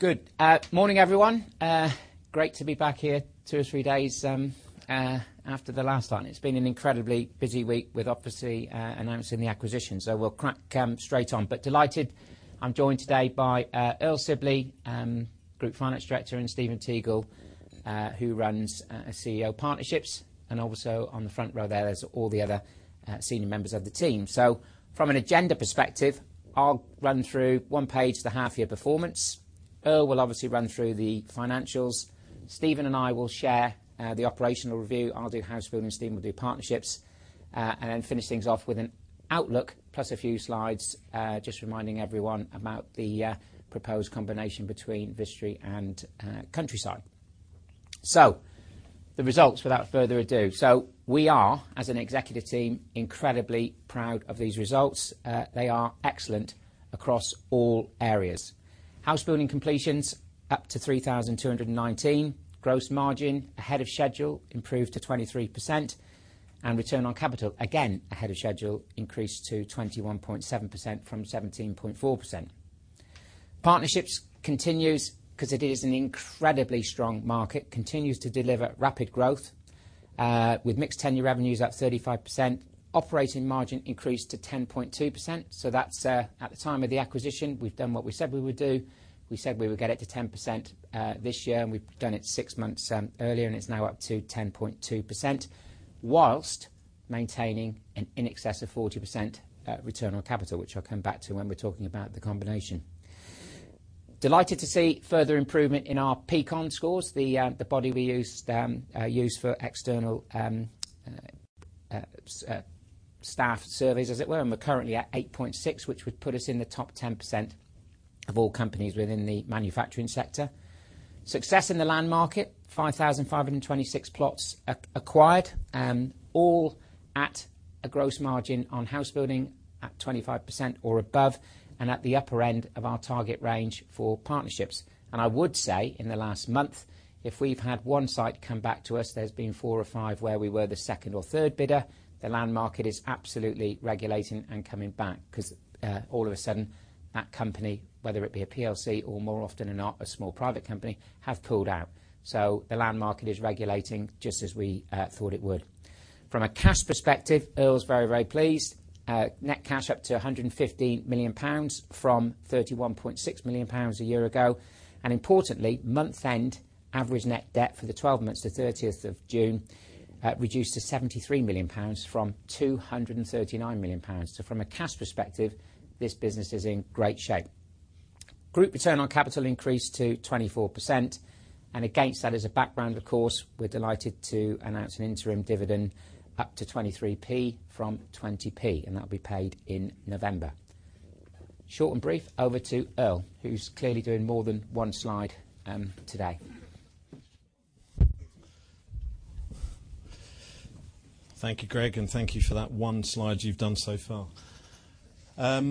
Good morning, everyone. Great to be back here two or three days after the last one. It's been an incredibly busy week with obviously announcing the acquisition, we'll crack straight on. Delighted, I'm joined today by Earl Sibley, Group Finance Director, and Stephen Teagle, who runs CEO Partnerships. Also on the front row there is all the other senior members of the team. From an agenda perspective, I'll run through one page of the half year performance. Earl will obviously run through the financials. Stephen and I will share the operational review. I'll do housebuilding, and Stephen will do partnerships. Then finish things off with an outlook plus a few slides just reminding everyone about the proposed combination between Vistry and Countryside. The results, without further ado. We are, as an executive team, incredibly proud of these results. They are excellent across all areas. Housebuilding completions up to 3,219. Gross margin ahead of schedule, improved to 23%. Return on capital, again ahead of schedule, increased to 21.7% from 17.4%. Partnerships continues because it is an incredibly strong market, continues to deliver rapid growth, with mixed tenure revenues up 35%. Operating margin increased to 10.2%. That's, at the time of the acquisition, we've done what we said we would do. We said we would get it to 10%, this year, and we've done it six months earlier, and it's now up to 10.2%, while maintaining in excess of 40% return on capital, which I'll come back to when we're talking about the combination. Delighted to see further improvement in our Peakon scores, the body we use for external staff surveys, as it were. We're currently at 8.6, which would put us in the top 10% of all companies within the manufacturing sector. Success in the land market, 5,526 plots acquired, all at a gross margin on housebuilding at 25% or above, and at the upper end of our target range for partnerships. I would say, in the last month, if we've had one site come back to us, there's been four or five where we were the second or third bidder. The land market is absolutely regulating and coming back 'cause all of a sudden, that company, whether it be a PLC or more often than not a small private company, have pulled out. The land market is regulating just as we thought it would. From a cash perspective, Earl's very, very pleased. Net cash up to 115 million pounds from 31.6 million pounds a year ago. Importantly, month-end average net debt for the 12 months to 30th of June reduced to 73 million pounds from 239 million pounds. From a cash perspective, this business is in great shape. Group return on capital increased to 24%. Against that, as a background, of course, we're delighted to announce an interim dividend up to 23p from 20p, and that'll be paid in November. Short and brief, over to Earl, who's clearly doing more than one slide, today. Thank you, Greg, and thank you for that one slide you've done so far. I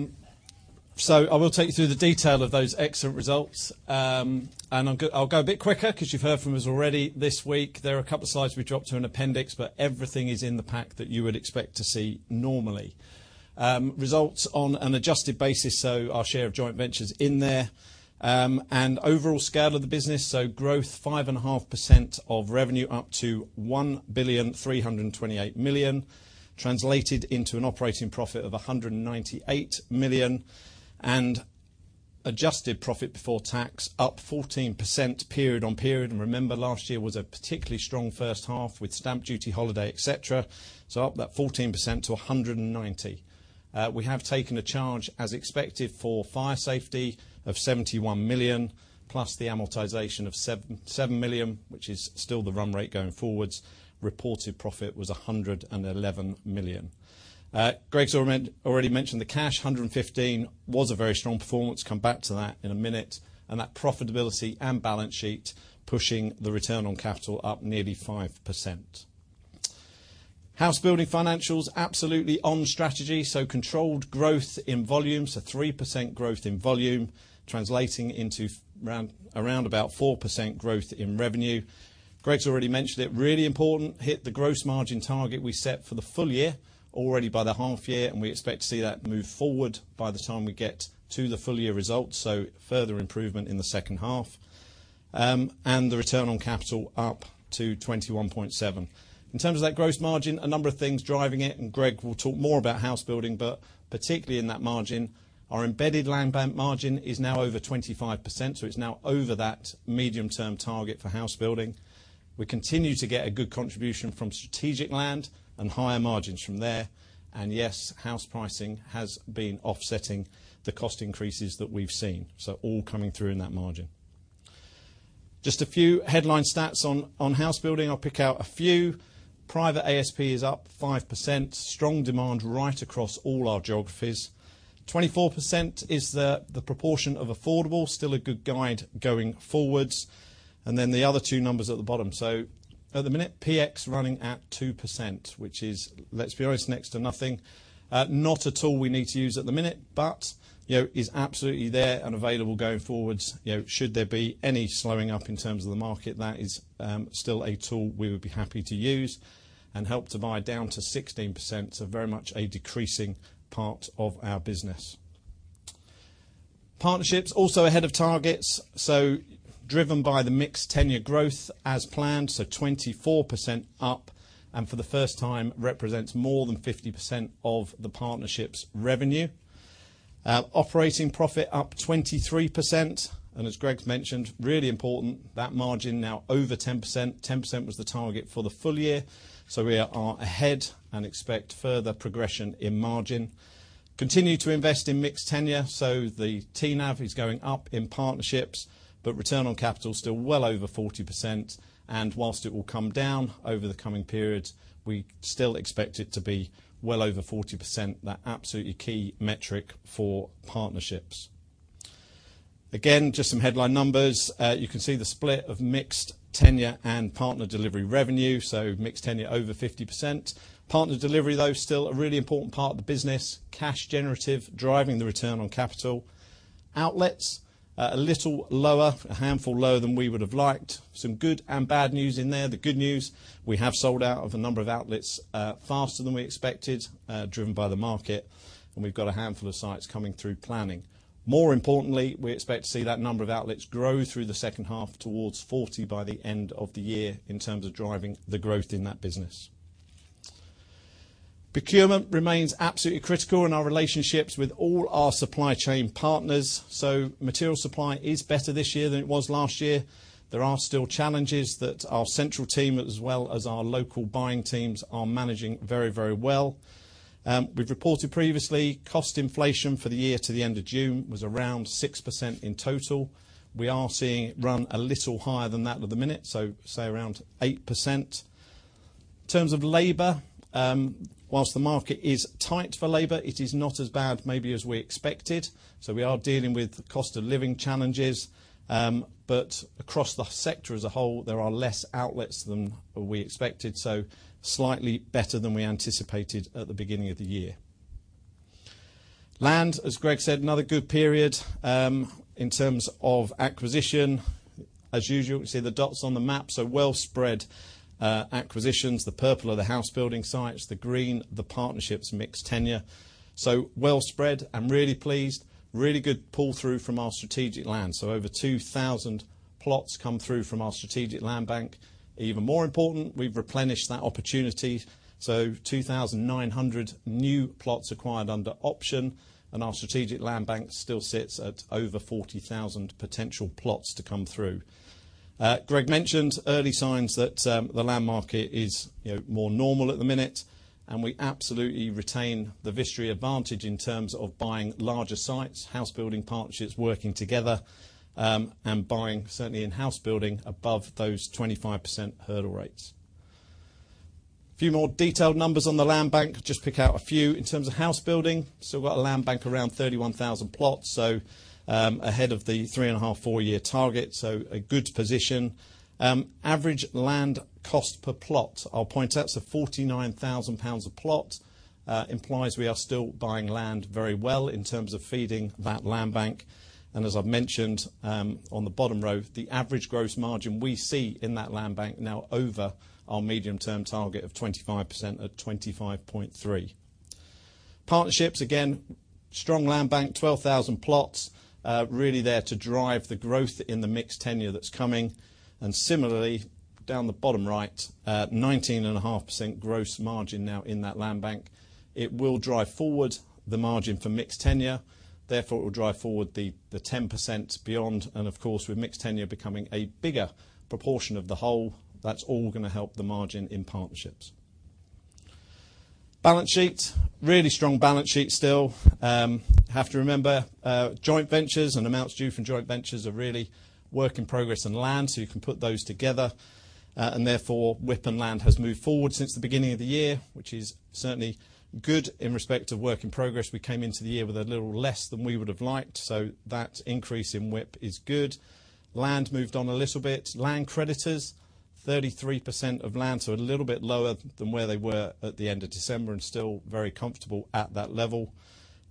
will take you through the detail of those excellent results. I'll go a bit quicker because you've heard from us already this week. There are a couple of slides we dropped to an appendix, but everything is in the pack that you would expect to see normally. Results on an adjusted basis, so our share of joint venture's in there. Overall scale of the business, so growth 5.5% of revenue up to 1,328 million, translated into an operating profit of 198 million. Adjusted profit before tax up 14% period on period. Remember, last year was a particularly strong first half with stamp duty holiday, et cetera. Up about 14% to 190. We have taken a charge as expected for fire safety of 71 million, plus the amortization of 7 million, which is still the run rate going forwards. Reported profit was 111 million. Greg's already mentioned the cash. 115 was a very strong performance. Come back to that in a minute. That profitability and balance sheet pushing the return on capital up nearly 5%. Housebuilding financials absolutely on strategy, controlled growth in volume. 3% growth in volume, translating into around about 4% growth in revenue. Greg's already mentioned it. Really important, hit the gross margin target we set for the full year already by the half year, and we expect to see that move forward by the time we get to the full year results. Further improvement in the second half. The return on capital up to 21.7. In terms of that gross margin, a number of things driving it, and Greg will talk more about house building, but particularly in that margin, our embedded land bank margin is now over 25%, so it's now over that medium-term target for house building. We continue to get a good contribution from strategic land and higher margins from there. Yes, house pricing has been offsetting the cost increases that we've seen. All coming through in that margin. Just a few headline stats on house building. I'll pick out a few. Private ASP is up 5%. Strong demand right across all our geographies. 24% is the proportion of affordable. Still a good guide going forwards. Then the other two numbers at the bottom. At the minute, PX running at 2%, which is, let's be honest, next to nothing. Not a tool we need to use at the minute, but, you know, is absolutely there and available going forward. You know, should there be any slowing up in terms of the market, that is still a tool we would be happy to use. Help to Buy down to 16%, so very much a decreasing part of our business. Partnerships also ahead of targets, so driven by the mixed tenure growth as planned, so 24% up, and for the first time represents more than 50% of the partnerships revenue. Operating profit up 23%, and as Greg's mentioned, really important that margin now over 10%. 10% was the target for the full year, so we are ahead and expect further progression in margin. Continue to invest in mixed tenure. The TNAV is going up in partnerships, but return on capital still well over 40%. While it will come down over the coming periods, we still expect it to be well over 40%. That absolutely key metric for partnerships. Again, just some headline numbers. You can see the split of mixed tenure and partner delivery revenue, so mixed tenure over 50%. Partner delivery, though still a really important part of the business, cash generative, driving the return on capital. Outlets, a little lower, a handful lower than we would have liked. Some good and bad news in there. The good news, we have sold out of a number of outlets, faster than we expected, driven by the market, and we've got a handful of sites coming through planning. More importantly, we expect to see that number of outlets grow through the second half towards 40 by the end of the year in terms of driving the growth in that business. Procurement remains absolutely critical in our relationships with all our supply chain partners. Material supply is better this year than it was last year. There are still challenges that our central team as well as our local buying teams are managing very, very well. We've reported previously, cost inflation for the year to the end of June was around 6% in total. We are seeing it run a little higher than that at the minute, so say around 8%. In terms of labor, while the market is tight for labor, it is not as bad maybe as we expected. We are dealing with cost of living challenges, but across the sector as a whole, there are less outlets than we expected, so slightly better than we anticipated at the beginning of the year. Land, as Greg said, another good period in terms of acquisition. As usual, you can see the dots on the map, so well spread acquisitions. The purple are the house building sites, the green, the partnerships mixed tenure. Well spread and really pleased. Really good pull-through from our strategic land. Over 2,000 plots come through from our strategic land bank. Even more important, we've replenished that opportunity, so 2,900 new plots acquired under option and our strategic land bank still sits at over 40,000 potential plots to come through. Greg mentioned early signs that the land market is, you know, more normal at the minute and we absolutely retain the Vistry advantage in terms of buying larger sites, house building partnerships working together, and buying certainly in house building above those 25% hurdle rates. A few more detailed numbers on the land bank. Just pick out a few. In terms of house building, still got a land bank around 31,000 plots, ahead of the three and a half, four-year target, so a good position. Average land cost per plot, I'll point out, 49,000 pounds a plot, implies we are still buying land very well in terms of feeding that land bank. As I've mentioned, on the bottom row, the average gross margin we see in that land bank now over our medium-term target of 25% at 25.3%. Partnerships, again, strong land bank, 12,000 plots, really there to drive the growth in the mixed tenure that's coming. Similarly, down the bottom right, 19.5% gross margin now in that land bank. It will drive forward the margin for mixed tenure. Therefore, it will drive forward the 10% beyond. Of course, with mixed tenure becoming a bigger proportion of the whole, that's all gonna help the margin in partnerships. Balance sheet. Really strong balance sheet still. Have to remember, joint ventures and amounts due from joint ventures are really work in progress and land, so you can put those together. WIP and land has moved forward since the beginning of the year, which is certainly good in respect to work in progress. We came into the year with a little less than we would have liked, so that increase in WIP is good. Land moved on a little bit. Land creditors, 33% of land, so a little bit lower than where they were at the end of December and still very comfortable at that level.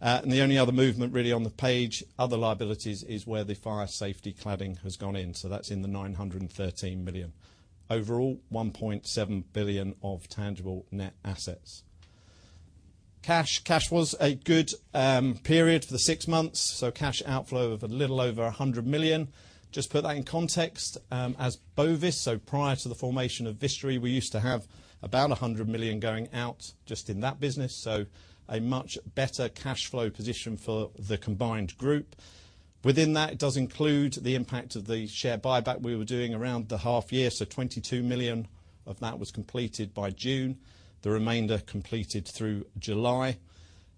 The only other movement really on the page, other liabilities is where the fire safety cladding has gone in. So that's in the 913 million. Overall, 1.7 billion of tangible net assets. Cash. Cash was a good period for the six months, so cash outflow of a little over 100 million. Just put that in context, as Bovis. Prior to the formation of Vistry, we used to have about 100 million going out just in that business, so a much better cash flow position for the combined group. Within that, it does include the impact of the share buyback we were doing around the half year. 22 million of that was completed by June, the remainder completed through July.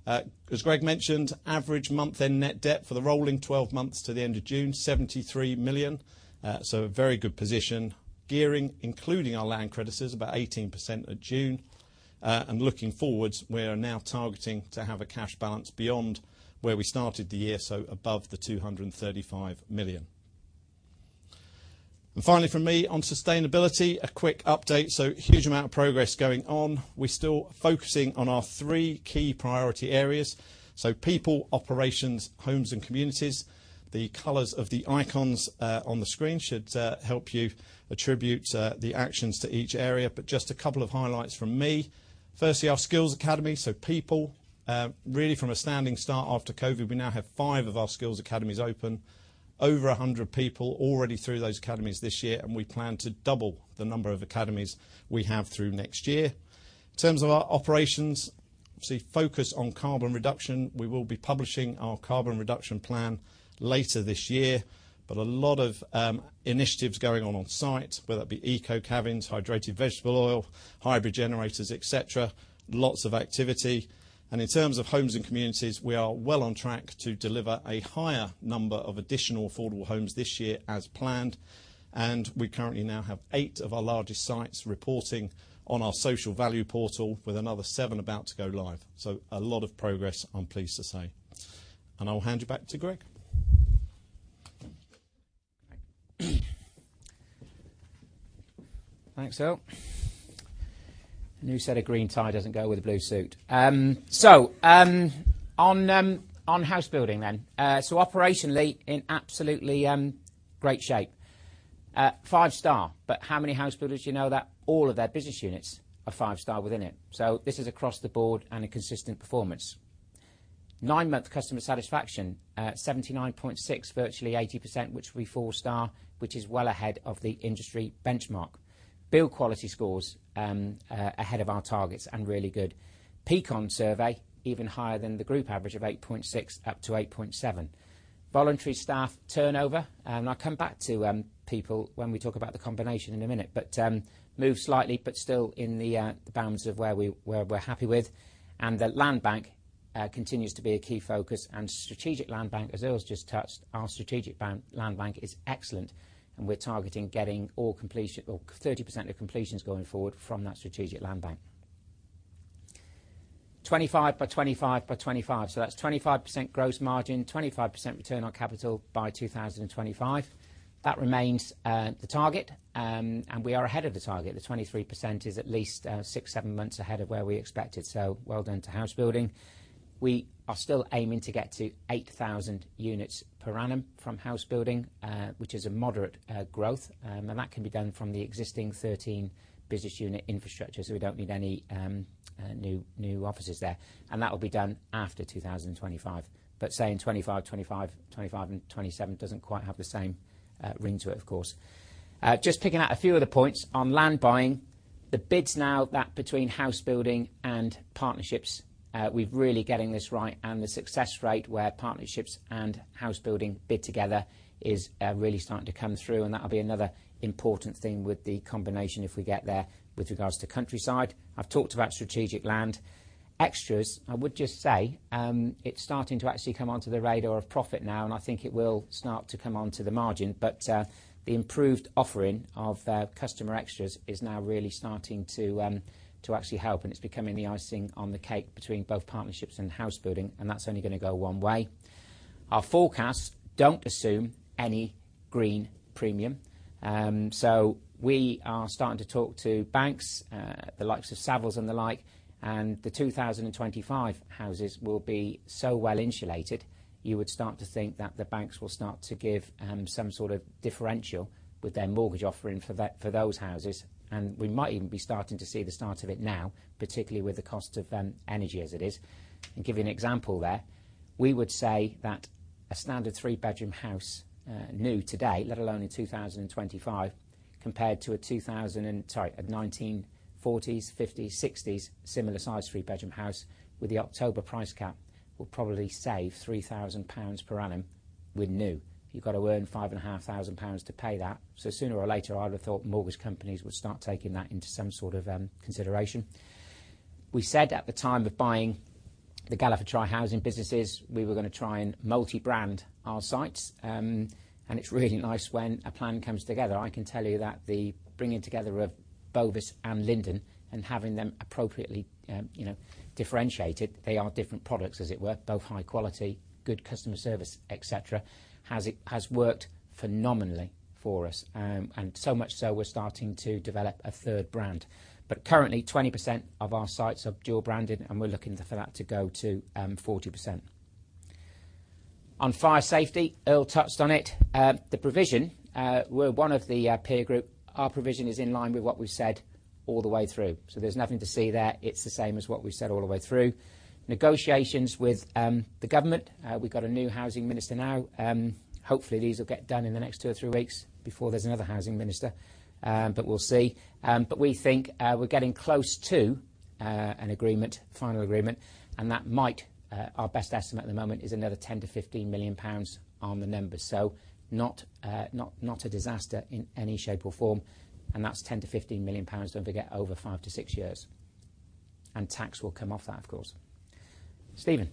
As Greg mentioned, average month-end net debt for the rolling twelve months to the end of June, 73 million. A very good position. Gearing, including our land credits, is about 18% at June. Looking forward, we are now targeting to have a cash balance beyond where we started the year, so above the 235 million. Finally from me on sustainability, a quick update. Huge amount of progress going on. We're still focusing on our three key priority areas. People, operations, homes and communities. The colors of the icons on the screen should help you attribute the actions to each area. Just a couple of highlights from me. Firstly, our skills academy. People really from a standing start after COVID, we now have five of our skills academies open. Over 100 people already through those academies this year, and we plan to double the number of academies we have through next year. In terms of our operations focus on carbon reduction. We will be publishing our carbon reduction plan later this year. A lot of initiatives going on site, whether it be eco cabins, hydrotreated vegetable oil, hybrid generators, et cetera. Lots of activity. In terms of homes and communities, we are well on track to deliver a higher number of additional affordable homes this year as planned. We currently now have eight of our largest sites reporting on our Social Value Portal with another seven about to go live. A lot of progress, I'm pleased to say. I'll hand you back to Greg. Thanks, Earl. A new set of green tie doesn't go with a blue suit. On house building then. Operationally in absolutely great shape. Five-star, but how many housebuilders do you know that all of their business units are five-star within it? This is across the board and a consistent performance. Nine-month customer satisfaction, 79.6, virtually 80%, which will be four-star, which is well ahead of the industry benchmark. Build quality scores ahead of our targets and really good. Peakon survey, even higher than the group average of 8.6, up to 8.7. Voluntary staff turnover, and I'll come back to people when we talk about the combination in a minute, but moved slightly, but still in the bounds of where we're happy with. The land bank continues to be a key focus and strategic land bank, as Earl's just touched, our strategic land bank is excellent and we're targeting getting all completion or 30% of completions going forward from that strategic land bank. 25 by 25 by 25. That's 25% gross margin, 25% return on capital by 2025. That remains the target, and we are ahead of the target. The 23% is at least six-seven months ahead of where we expected. Well done to Housebuilding. We are still aiming to get to 8,000 units per annum from Housebuilding, which is a moderate growth. That can be done from the existing 13 business unit infrastructure. We don't need any new offices there. That will be done after 2025. Saying 25, 25, and 27 doesn't quite have the same ring to it, of course. Just picking out a few of the points. On land buying, the bids now that between house building and partnerships, we're really getting this right and the success rate where partnerships and house building bid together is really starting to come through, and that'll be another important thing with the combination if we get there. With regards to Countryside, I've talked about strategic land. Exits, I would just say, it's starting to actually come onto the radar of profit now, and I think it will start to come onto the margin. The improved offering of customer extras is now really starting to actually help, and it's becoming the icing on the cake between both partnerships and house building, and that's only gonna go one way. Our forecasts don't assume any green premium. So we are starting to talk to banks, the likes of Savills and the like, and the 2025 houses will be so well insulated, you would start to think that the banks will start to give some sort of differential with their mortgage offering for those houses. We might even be starting to see the start of it now, particularly with the cost of energy as it is. I'll give you an example there. We would say that a standard three-bedroom house, new today, let alone in 2025, compared to a 1940s, 1950s, 1960s, similar sized three-bedroom house with the October price cap will probably save 3,000 pounds per annum with new. You've got to earn 5,500 pounds to pay that. Sooner or later, I would have thought mortgage companies would start taking that into some sort of consideration. We said at the time of buying the Galliford Try housing businesses, we were gonna try and multi-brand our sites. It's really nice when a plan comes together. I can tell you that the bringing together of Bovis and Linden and having them appropriately, you know, differentiated, they are different products as it were, both high quality, good customer service, et cetera, has worked phenomenally for us. So much so, we're starting to develop a third brand. Currently, 20% of our sites are dual branded, and we're looking for that to go to 40%. On fire safety, Earl touched on it. The provision, we're one of the peer group. Our provision is in line with what we've said all the way through. There's nothing to see there. It's the same as what we've said all the way through. Negotiations with the government, we've got a new housing minister now. Hopefully, these will get done in the next two or three weeks before there's another housing minister, but we'll see. We think we're getting close to an agreement, final agreement, and that might, our best estimate at the moment is another 10 million-15 million pounds on the numbers. Not a disaster in any shape or form, and that's 10 million-15 million pounds over five-six years. Tax will come off that, of course. Stephen?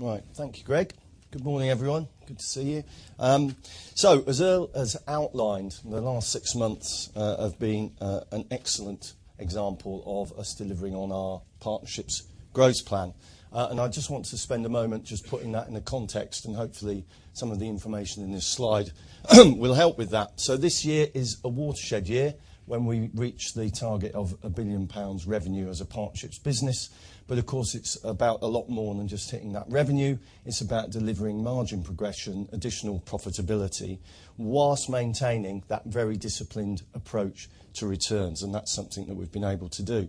Right. Thank you, Greg. Good morning, everyone. Good to see you. As Earl has outlined, the last six months have been an excellent example of us delivering on our partnerships growth plan. I just want to spend a moment just putting that into context and hopefully some of the information in this slide will help with that. This year is a watershed year when we reach the target of 1 billion pounds revenue as a partnerships business. Of course, it's about a lot more than just hitting that revenue. It's about delivering margin progression, additional profitability, while maintaining that very disciplined approach to returns. That's something that we've been able to do.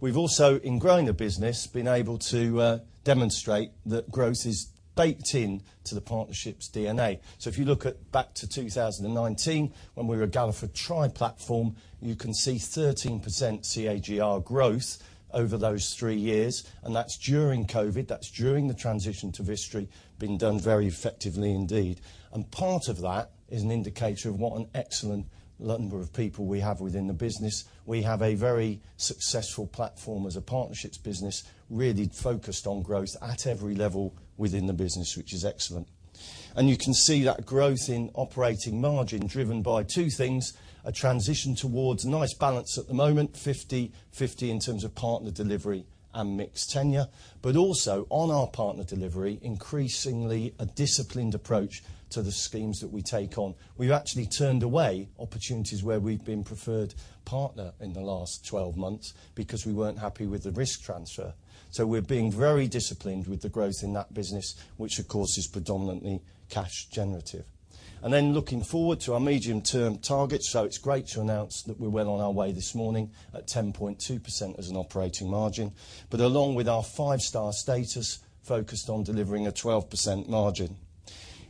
We've also, in growing a business, been able to demonstrate that growth is baked in to the partnerships DNA. If you look back to 2019, when we were a Galliford Try platform, you can see 13% CAGR growth over those three years. That's during COVID, that's during the transition to Vistry, been done very effectively indeed. Part of that is an indicator of what an excellent number of people we have within the business. We have a very successful platform as a partnerships business, really focused on growth at every level within the business, which is excellent. You can see that growth in operating margin driven by two things, a transition towards a nice balance at the moment, 50/50 in terms of partner delivery and mixed tenure, but also on our partner delivery, increasingly a disciplined approach to the schemes that we take on. We've actually turned away opportunities where we've been preferred partner in the last 12 months because we weren't happy with the risk transfer. We're being very disciplined with the growth in that business which of course is predominantly cash generative. Looking forward to our medium-term targets, it's great to announce that we're well on our way this morning at 10.2% as an operating margin. Along with our five-star status, focused on delivering a 12% margin.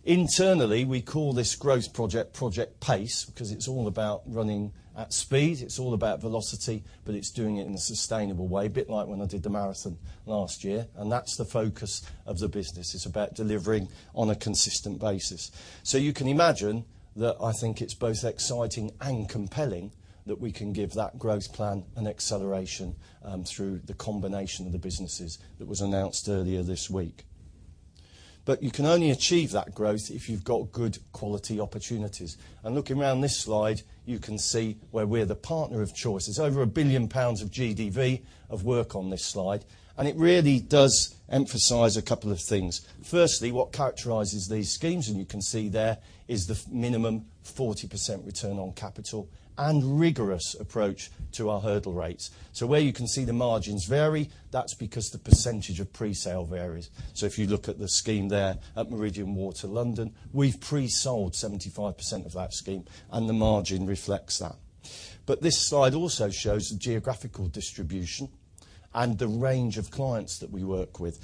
Internally, we call this growth project, Project Pace, because it's all about running at speed, it's all about velocity, but it's doing it in a sustainable way. A bit like when I did the marathon last year, and that's the focus of the business. It's about delivering on a consistent basis. You can imagine that I think it's both exciting and compelling that we can give that growth plan an acceleration, through the combination of the businesses that was announced earlier this week. You can only achieve that growth if you've got good quality opportunities. Looking around this slide, you can see where we're the partner of choice. It's over 1 billion pounds of GDV of work on this slide. It really does emphasize a couple of things. Firstly, what characterizes these schemes, and you can see there, is the minimum 40% return on capital and rigorous approach to our hurdle rates. Where you can see the margins vary, that's because the percentage of presale varies. If you look at the scheme there at Meridian Water, London, we've presold 75% of that scheme, and the margin reflects that. This slide also shows the geographical distribution and the range of clients that we work with.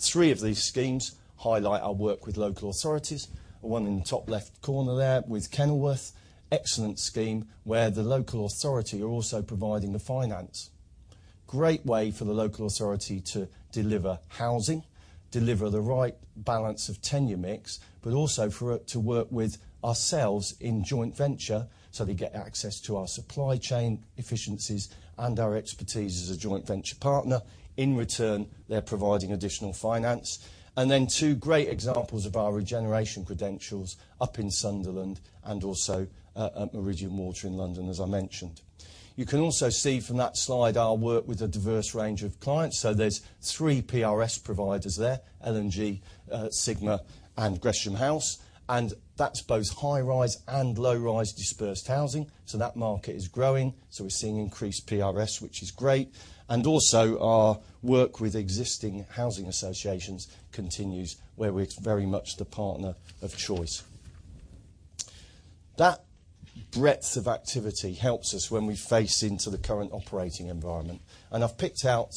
Three of these schemes highlight our work with local authorities, one in the top left corner there with Kenilworth. Excellent scheme where the local authority are also providing the finance. Great way for the local authority to deliver housing, the right balance of tenure mix, but also for it to work with ourselves in joint venture, so they get access to our supply chain efficiencies and our expertise as a joint venture partner. In return, they're providing additional finance. Two great examples of our regeneration credentials up in Sunderland and also at Meridian Water in London, as I mentioned. You can also see from that slide our work with a diverse range of clients. There's three PRS providers there, L&G, Sigma, and Gresham House, and that's both high-rise and low-rise dispersed housing. That market is growing, so we're seeing increased PRS, which is great. Our work with existing housing associations continues, where it's very much the partner of choice. That breadth of activity helps us when we face into the current operating environment. I've picked out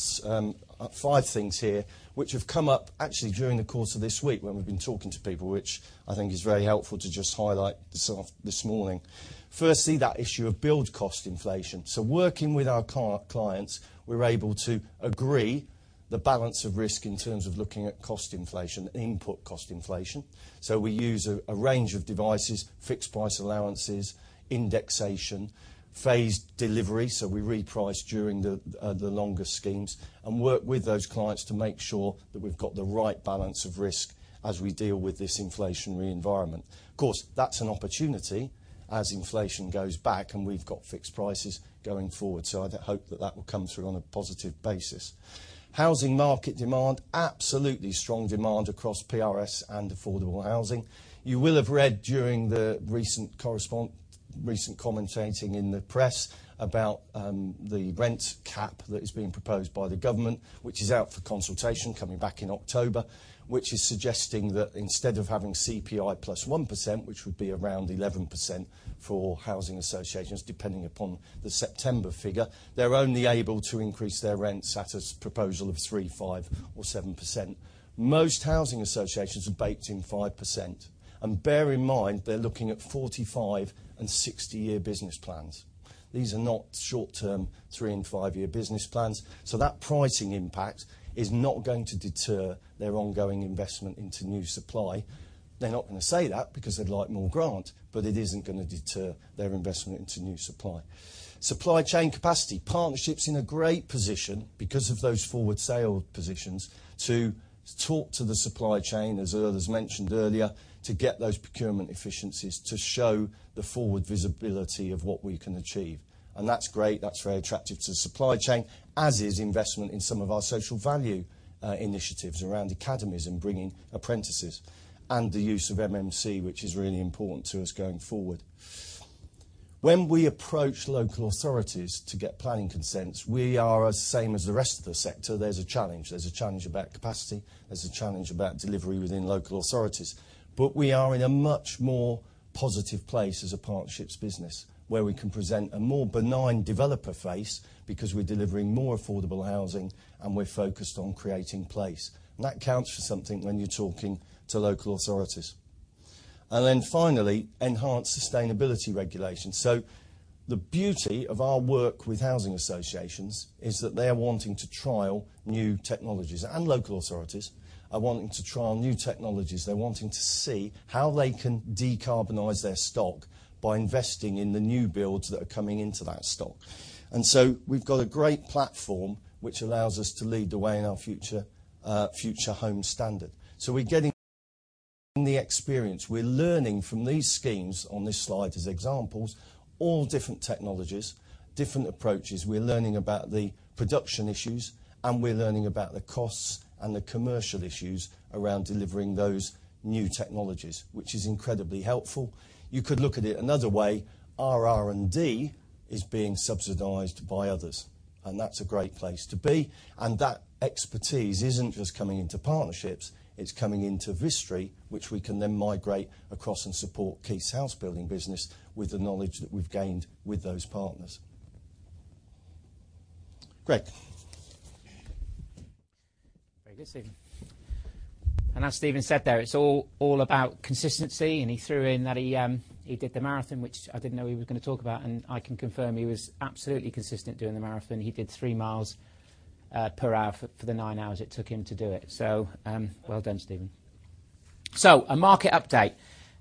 five things here which have come up actually during the course of this week when we've been talking to people, which I think is very helpful to just highlight this morning. Firstly, that issue of build cost inflation. Working with our clients, we're able to agree the balance of risk in terms of looking at cost inflation, input cost inflation. We use a range of devices, fixed price allowances, indexation, phased delivery, so we reprice during the longer schemes and work with those clients to make sure that we've got the right balance of risk as we deal with this inflationary environment. Of course, that's an opportunity as inflation goes back and we've got fixed prices going forward. I hope that that will come through on a positive basis. Housing market demand, absolutely strong demand across PRS and affordable housing. You will have read during the recent commentating in the press about the rent cap that is being proposed by the government, which is out for consultation coming back in October, which is suggesting that instead of having CPI plus 1%, which would be around 11% for housing associations, depending upon the September figure, they're only able to increase their rents at a proposal of 3%, 5%, or 7%. Most housing associations are baked in 5%. Bear in mind, they're looking at 45- and 60-year business plans. These are not short term three and five-year business plans. That pricing impact is not going to deter their ongoing investment into new supply. They're not gonna say that because they'd like more grant, but it isn't gonna deter their investment into new supply. Supply chain capacity. Partnerships in a great position because of those forward sale positions to talk to the supply chain, as Earl has mentioned earlier, to get those procurement efficiencies to show the forward visibility of what we can achieve. That's great. That's very attractive to supply chain, as is investment in some of our social value initiatives around academies and bringing apprentices and the use of MMC, which is really important to us going forward. When we approach local authorities to get planning consents, we are the same as the rest of the sector. There's a challenge. There's a challenge about capacity. There's a challenge about delivery within local authorities. We are in a much more positive place as a partnerships business, where we can present a more benign developer face because we're delivering more affordable housing and we're focused on creating place. That counts for something when you're talking to local authorities. Finally, enhanced sustainability regulations. The beauty of our work with housing associations is that they are wanting to trial new technologies, and local authorities are wanting to trial new technologies. They're wanting to see how they can decarbonize their stock by investing in the new builds that are coming into that stock. We've got a great platform which allows us to lead the way in our Future Homes Standard. We're getting the experience. We're learning from these schemes on this slide as examples, all different technologies, different approaches. We're learning about the production issues, and we're learning about the costs and the commercial issues around delivering those new technologies, which is incredibly helpful. You could look at it another way. Our R&D is being subsidized by others, and that's a great place to be. That expertise isn't just coming into partnerships. It's coming into Vistry, which we can then migrate across and support Keith's house building business with the knowledge that we've gained with those partners. Greg. Very good, Stephen. As Stephen said there, it's all about consistency, and he threw in that he did the marathon, which I didn't know he was gonna talk about, and I can confirm he was absolutely consistent doing the marathon. He did three miles per hour for the nine hours it took him to do it. Well done, Stephen. A market update.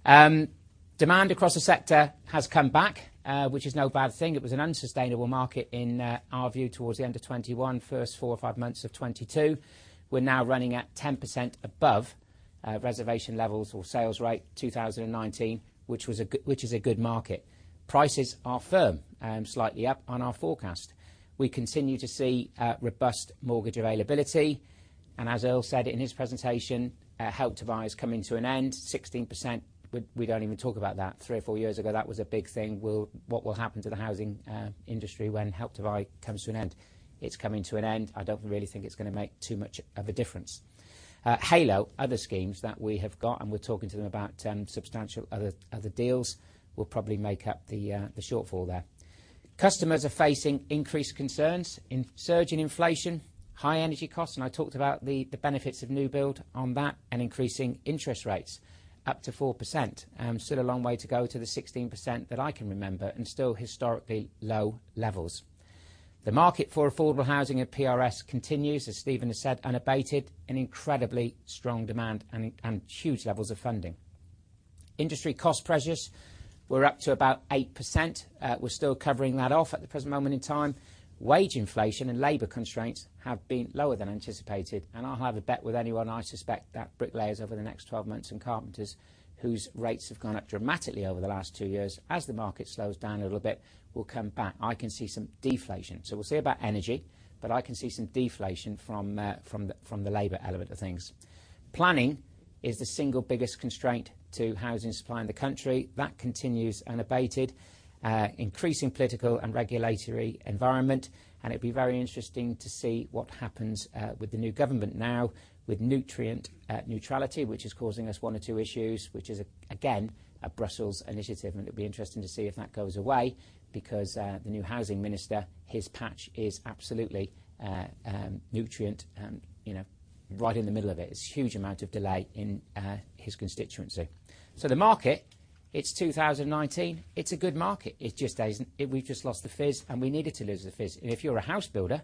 Demand across the sector has come back, which is no bad thing. It was an unsustainable market in our view towards the end of 2021, first four or five months of 2022. We're now running at 10% above reservation levels or sales rate, 2019, which is a good market. Prices are firm, slightly up on our forecast. We continue to see robust mortgage availability, and as Earl said in his presentation, Help to Buy is coming to an end. 16%, we don't even talk about that. Three or four years ago, that was a big thing. What will happen to the housing industry when Help to Buy comes to an end? It's coming to an end. I don't really think it's gonna make too much of a difference. Halo, other schemes that we have got, and we're talking to them about substantial other deals, will probably make up the shortfall there. Customers are facing increased concerns, a surge in inflation, high energy costs, and I talked about the benefits of new build on that and increasing interest rates up to 4%. Still a long way to go to the 16% that I can remember and still historically low levels. The market for affordable housing at PRS continues, as Stephen has said, unabated, an incredibly strong demand and huge levels of funding. Industry cost pressures were up to about 8%. We're still covering that off at the present moment in time. Wage inflation and labor constraints have been lower than anticipated. I'll have a bet with anyone I suspect that bricklayers over the next 12 months and carpenters whose rates have gone up dramatically over the last two years, as the market slows down a little bit, will come back. I can see some deflation. We'll see about energy, but I can see some deflation from the labor element of things. Planning is the single biggest constraint to housing supply in the country. That continues unabated, increasing political and regulatory environment. It'd be very interesting to see what happens with the new government now with nutrient neutrality, which is causing us one or two issues, which is, again, a Brussels initiative. It'll be interesting to see if that goes away because the new housing minister, his patch is absolutely nutrient you know right in the middle of it. It's a huge amount of delay in his constituency. The market, it's 2019. It's a good market. It just isn't. We've just lost the fizz, and we needed to lose the fizz. If you're a house builder,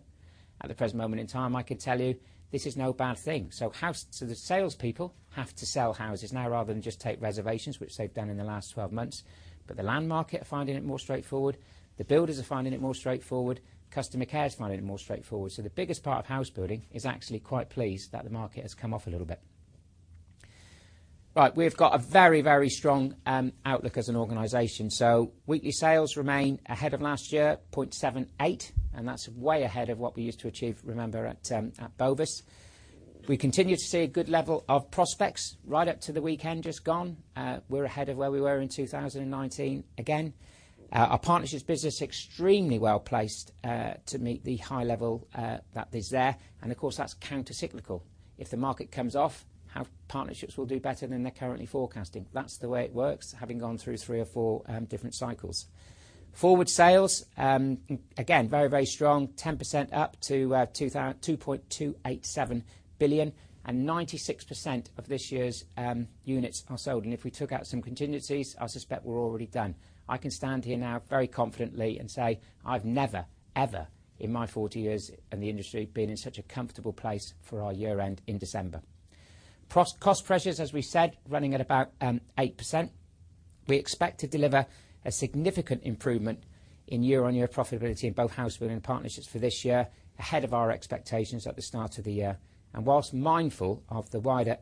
at the present moment in time, I could tell you this is no bad thing. The salespeople have to sell houses now rather than just take reservations, which they've done in the last 12 months. The land market are finding it more straightforward. The builders are finding it more straightforward. Customer care is finding it more straightforward. The biggest part of house building is actually quite pleased that the market has come off a little bit. Right. We've got a very, very strong outlook as an organization. Weekly sales remain ahead of last year, 0.78, and that's way ahead of what we used to achieve, remember, at Bovis. We continue to see a good level of prospects right up to the weekend just gone. We're ahead of where we were in 2019 again. Our partnerships business extremely well-placed to meet the high level that is there. Of course, that's countercyclical. If the market comes off, our partnerships will do better than they're currently forecasting. That's the way it works, having gone through three or four different cycles. Forward sales, again, very, very strong, 10% up to 2.287 billion. 96% of this year's units are sold. If we took out some contingencies, I suspect we're already done. I can stand here now very confidently and say I've never, ever in my 40 years in the industry been in such a comfortable place for our year-end in December. Cost pressures, as we said, running at about 8%. We expect to deliver a significant improvement in year-on-year profitability in both housebuilding and partnerships for this year, ahead of our expectations at the start of the year. While mindful of the wider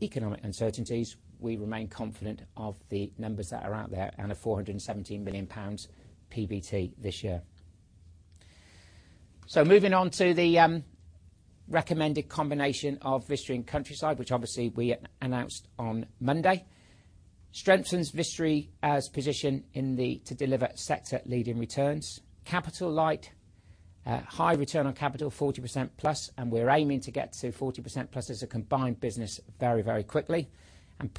economic uncertainties, we remain confident of the numbers that are out there and 417 million pounds PBT this year. Moving on to the recommended combination of Vistry and Countryside, which obviously we announced on Monday. Strengthens Vistry's position in the to deliver sector-leading returns. Capital light, high return on capital, 40%+, and we're aiming to get to 40%+ as a combined business very, very quickly.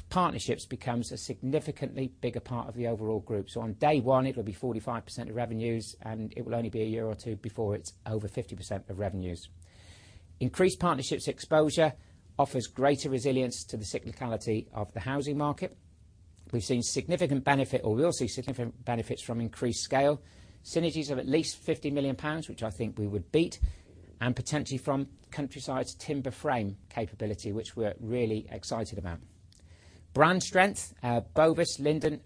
Partnerships becomes a significantly bigger part of the overall group. On day one, it'll be 45% of revenues, and it will only be a year or two before it's over 50% of revenues. Increased partnerships exposure offers greater resilience to the cyclicality of the housing market. We've seen significant benefit, or we'll see significant benefits from increased scale. Synergies of at least 50 million pounds, which I think we would beat, and potentially from Countryside's timber frame capability, which we're really excited about. Brand strength, Bovis, Linden,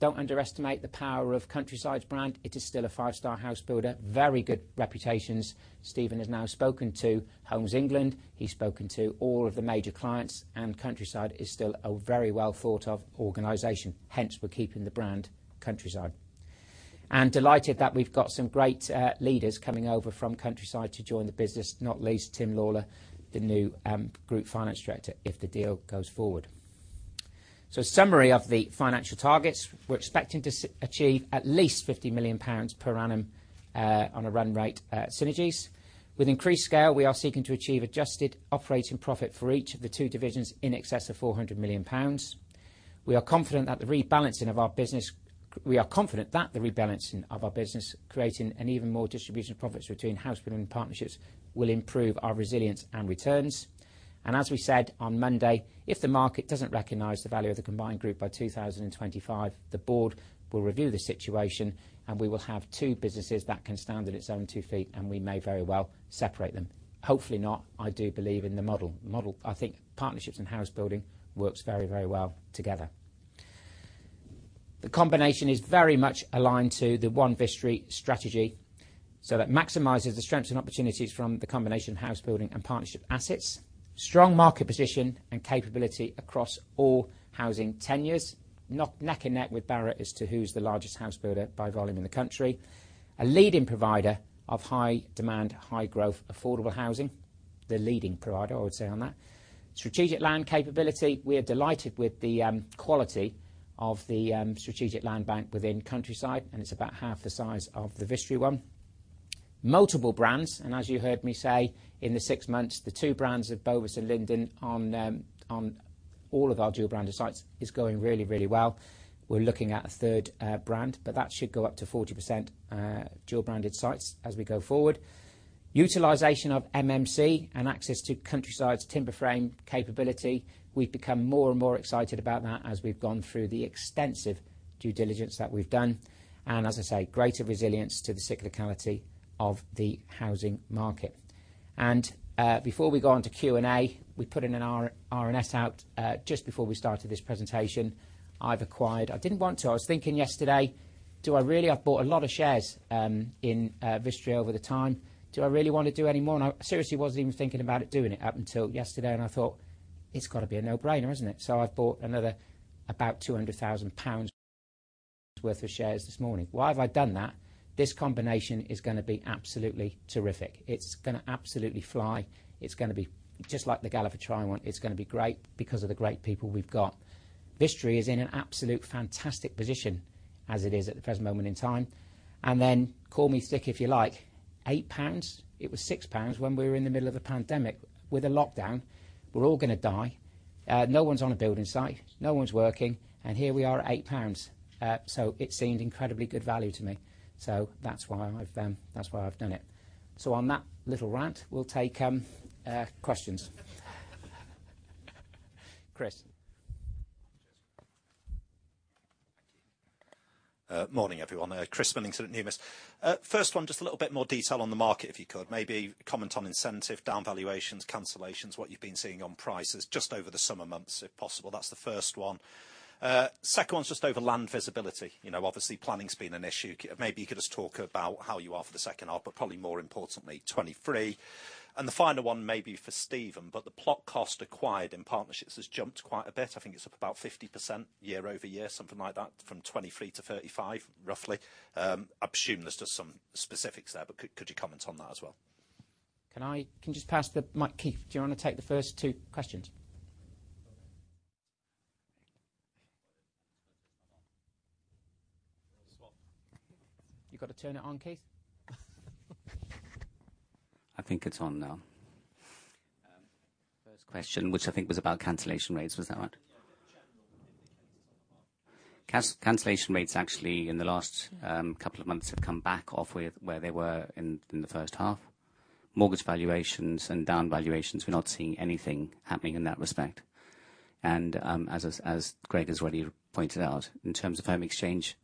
don't underestimate the power of Countryside's brand. It is still a five-star house builder. Very good reputations. Stephen has now spoken to Homes England. He's spoken to all of the major clients, and Countryside is still a very well thought of organization. Hence, we're keeping the brand Countryside. Delighted that we've got some great leaders coming over from Countryside to join the business, not least Tim Lawlor, the new group finance director, if the deal goes forward. A summary of the financial targets. We're expecting to achieve at least 50 million pounds per annum, on a run rate, synergies. With increased scale, we are seeking to achieve adjusted operating profit for each of the two divisions in excess of 400 million pounds. We are confident that the rebalancing of our business, creating an even more distribution of profits between housebuilding partnerships, will improve our resilience and returns. As we said on Monday, if the market doesn't recognize the value of the combined group by 2025, the board will review the situation, and we will have two businesses that can stand on its own two feet, and we may very well separate them. Hopefully not. I do believe in the model. I think partnerships and housebuilding works very, very well together. The combination is very much aligned to the One Vistry strategy, so that maximizes the strengths and opportunities from the combination of housebuilding and partnership assets. Strong market position and capability across all housing tenures. Not neck and neck with Barratt as to who's the largest house builder by volume in the country. A leading provider of high demand, high growth, affordable housing. The leading provider, I would say on that. Strategic land capability. We are delighted with the quality of the strategic land bank within Countryside, and it's about half the size of the Vistry one. Multiple brands, and as you heard me say, in the six months, the two brands of Bovis and Linden on all of our dual branded sites is going really, really well. We're looking at a third brand, but that should go up to 40% dual branded sites as we go forward. Utilization of MMC and access to Countryside's timber frame capability, we've become more and more excited about that as we've gone through the extensive due diligence that we've done. Before we go on to Q&A, we put an RNS out just before we started this presentation. I didn't want to. I was thinking yesterday, do I really? I've bought a lot of shares in Vistry over time. Do I really wanna do any more? I seriously wasn't even thinking about it, doing it up until yesterday, and I thought, "It's gotta be a no-brainer, isn't it?" I've bought another about 200,000 pounds worth of shares this morning. Why have I done that? This combination is gonna be absolutely terrific. It's gonna absolutely fly. It's gonna be just like the Galliford Try one. It's gonna be great because of the great people we've got. Vistry is in an absolute fantastic position as it is at the present moment in time. Call me sick if you like, 8 pounds? It was 6 pounds when we were in the middle of a pandemic with a lockdown. We're all gonna die. No one's on a building site, no one's working, and here we are at GBP 8. It seemed incredibly good value to me. That's why I've done it. On that little rant, we'll take questions. Chris? Morning everyone. Chris Millington at Numis. First one, just a little bit more detail on the market, if you could. Maybe comment on incentive, down valuations, cancellations, what you've been seeing on prices just over the summer months, if possible. That's the first one. Second one's just over land visibility. You know, obviously planning's been an issue. Maybe you could just talk about how you are for the second half, but probably more importantly, 2023. The final one may be for Stephen, but the plot cost acquired in partnerships has jumped quite a bit. I think it's up about 50% year-over-year, something like that, from 23 to 35, roughly. I assume there's just some specifics there, but could you comment on that as well? Can you just pass the mic, Keith? Do you wanna take the first two questions? Swap. You going to turn it on, Keith. I think it's on now. First question, which I think was about cancellation rates. Was that right? Yeah, the general indicators on the market. Cancellation rates actually in the last couple of months have come back off where they were in the first half. Mortgage valuations and down valuations, we're not seeing anything happening in that respect. As Greg has already pointed out, in terms of home exchange.